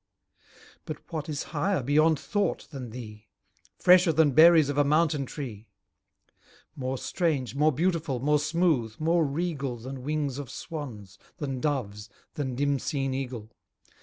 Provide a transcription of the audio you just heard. But what is higher beyond thought than thee? Fresher than berries of a mountain tree? More strange, more beautiful, more smooth, more regal, Than wings of swans, than doves, than dim seen eagle?